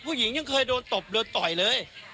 ยังเคยโดนตบโดนต่อยเลย